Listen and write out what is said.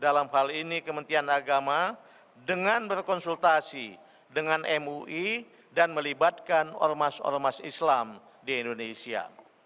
dalam hal ini kementerian agama dengan berkonsultasi dengan mui dan melibatkan ormas ormas islam di indonesia